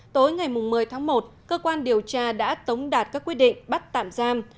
tối ngày một mươi tháng một cơ quan điều tra đã tống đạt các quyết định bắt tạm giam